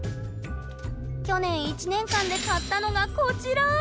去年１年間で買ったのがこちら！